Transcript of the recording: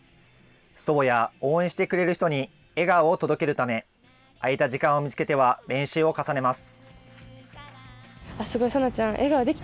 祖母や応援してくれる人に笑顔を届けるため、空いた時間を見つけては、練習を重ねます。